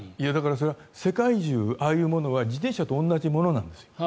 それは世界中ああいうものは自転車と同じものなんです。